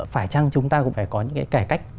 phải chăng chúng ta cũng phải có những cái cải cách